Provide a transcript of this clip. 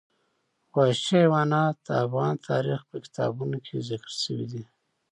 وحشي حیوانات د افغان تاریخ په کتابونو کې ذکر شوي دي.